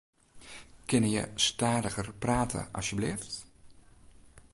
Kinne jo stadiger prate asjebleaft?